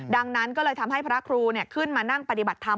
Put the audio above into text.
ดังนั้นก็เลยทำให้พระครูขึ้นมานั่งปฏิบัติธรรม